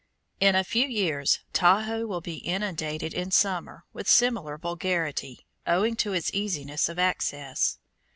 In a few years Tahoe will be inundated in summer with similar vulgarity, owing to its easiness of access.